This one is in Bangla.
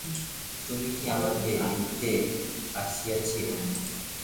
তুই কি আমাকে লইতে আসিয়াছিস?